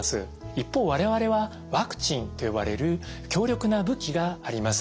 一方我々はワクチンと呼ばれる強力な武器があります。